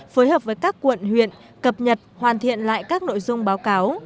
phối hợp với các quận huyện cập nhật hoàn thiện lại các nội dung báo cáo